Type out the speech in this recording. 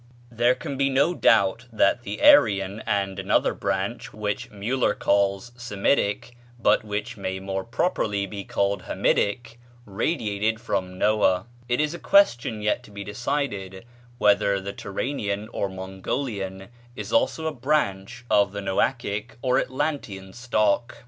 There can be no doubt that the Aryan and another branch, which Müller calls Semitic, but which may more properly be called Hamitic, radiated from Noah; it is a question yet to be decided whether the Turanian or Mongolian is also a branch of the Noachic or Atlantean stock.